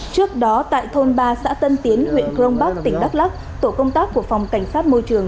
trước đó tại thôn ba xã tân tiến huyện crong bắc tỉnh đắk lắc tổ công tác của phòng cảnh sát môi trường